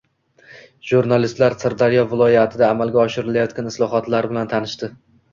Jurnalistlar Sirdaryo viloyatida amalga oshirilayotgan islohotlar bilan tanishdi